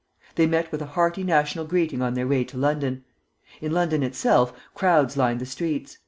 They met with a hearty national greeting on their way to London. In London itself crowds lined the streets.